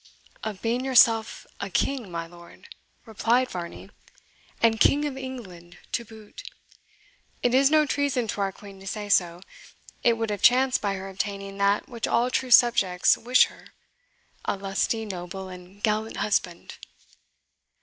"Of being yourself a KING, my lord," replied Varney; "and King of England to boot! It is no treason to our Queen to say so. It would have chanced by her obtaining that which all true subjects wish her a lusty, noble, and gallant husband."